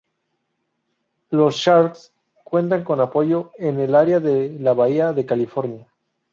Los Sharks cuentan con apoyo en el área de la Bahía de California.